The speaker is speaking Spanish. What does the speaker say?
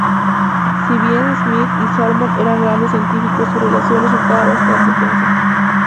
Si bien Smith y Salmon eran grandes científicos, su relación resultaba bastante tensa.